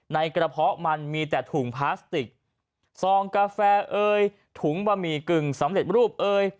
ในกระเพาะมันมีแต่ถุงพลาสติกซองกาแฟเอ่ยถุงบะหมี่กึ่งสำเร็จรูปเอ่ย